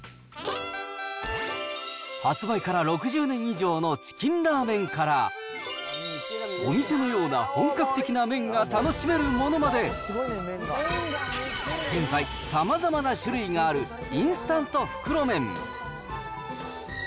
発売から６０年以上の、チキンラーメンから、お店のような本格的な麺が楽しめるものまで、現在、さまざまな種類があるインスタント袋麺。